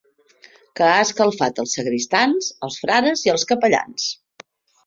...que ha escalfat els sagristans, els frares i els capellans.